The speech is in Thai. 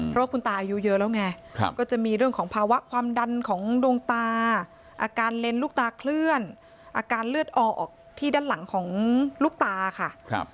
เพราะว่าคุณตาอายุเยอะแล้วไงก็จะมีเรื่องของภาวะความดันของดวงตาอาการเลนส์ลูกตาเคลื่อนอาการเลือดออกที่ด้านหลังของลูกตาค่ะ